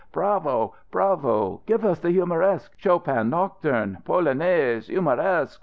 "Bravo bravo! Give us the 'Humoresque' Chopin nocturne polonaise 'Humoresque'!